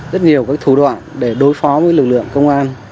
rất nhiều thủ đoạn để đối phó với lực lượng công an